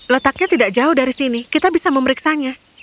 letaknya tidak jauh dari sini kita bisa memeriksanya